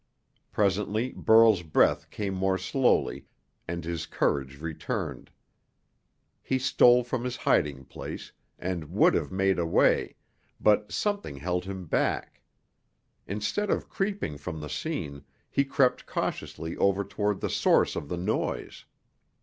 Presently Burl's breath came more slowly, and his courage returned. He stole from his hiding place, and would have made away, but something held him back. Instead of creeping from the scene, he crept cautiously over toward the source of the noise.